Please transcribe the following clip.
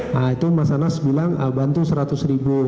nah itu mas anas bilang bantu seratus ribu